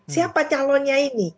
siapa calonnya ini